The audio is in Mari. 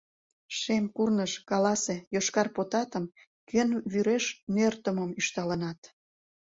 Шем курныж, каласе, Йошкар потатым, Кӧн вӱреш нӧртымым, ӱшталынат?